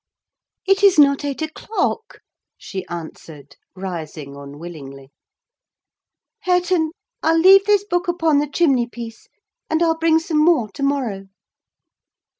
"It is not eight o'clock!" she answered, rising unwillingly. "Hareton, I'll leave this book upon the chimney piece, and I'll bring some more to morrow."